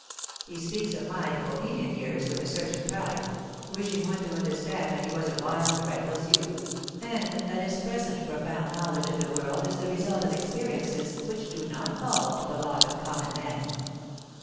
He speaks of 'my Bohemian years' with a certain pride, wishing one to understand that he was a wild, reckless youth, and that his present profound knowledge of the world is the result of experiences which do not fall to the lot of common men.